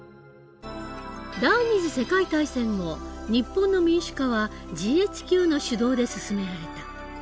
第２次世界大戦後日本の民主化はＧＨＱの主導で進められた。